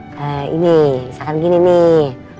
kayak ini misalkan gini nih